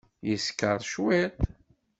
Yeskeṛ cwiṭ.